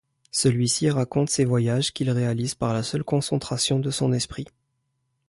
Celui-ci lui raconte ses voyages, qu'il réalise par la seule concentration de son esprit.